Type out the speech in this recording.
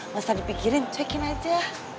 masa dipikirin cekin aja